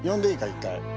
１回。